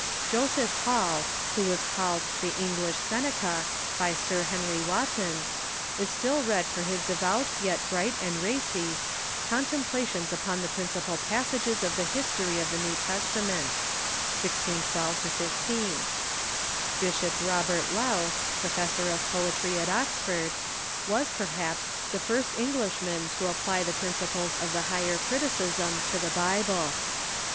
Joseph Hall, who was called the "English Seneca" by Sir Henry Wotton, is still read for his devout yet bright and racy "Contemplations upon the Principal Passages of the History of the Xew Testament" (1612 15). Bishop Robert Lowth, Professor of Poetry at Ox ford, was, perha])S, the first Englishman to a]iply the i)rincjples of the Higher Criticism to the Bible.